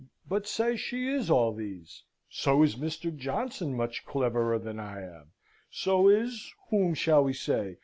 "But say she is all these? So is Mr. Johnson much cleverer than I am: so is, whom shall we say?